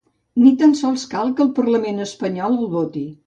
Ni tan sols cal que el parlament espanyol el voti.